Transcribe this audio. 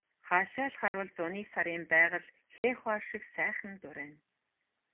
Хаашаа л харвал зуны сарын байгаль хээ хуар шиг сайхан дурайна.